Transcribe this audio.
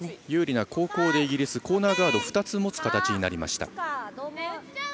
有利な後攻でイギリスコーナーガードを２つ持つ形になった。